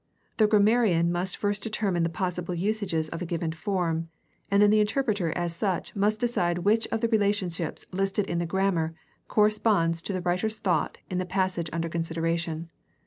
The grammarian must first determine the possible usages of a given form, and then the interpreter as such must decide which of the relationships listed in the grammar corresponds to the writer's thought in the passage under consideration.